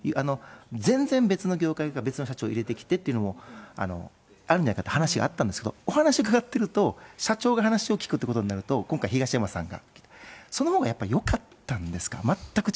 全然別の業界から別の社長を入れてきていってのも、あるんじゃないかという話があったんですけど、お話伺ってると、社長が話を聞くっていうことになると、今回、東山さんが、そのほうがやっぱりよかったんですか？